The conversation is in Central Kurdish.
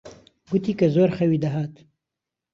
گوتی کە زۆر خەوی دەهات.